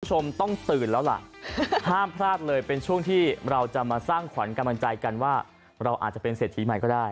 คุณผู้ชมต้องตื่นแล้วล่ะห้ามพลาดเลยเป็นช่วงที่เราจะมาสร้างขวัญกำลังใจกันว่าเราอาจจะเป็นเศรษฐีใหม่ก็ได้